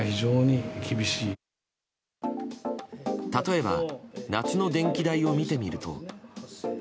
例えば夏の電気代を見てみると。